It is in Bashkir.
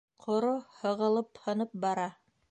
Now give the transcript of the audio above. Ҡоро, һығылып, һынып бара.